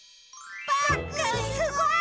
パックンすごい！